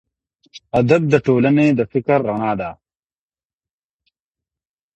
ادئب د ټولني د فکر رڼا ده.